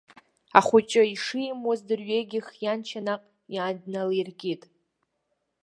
Ахәыҷы ишимуаз дырҩегьых ианшьа наҟ иан дналиркит.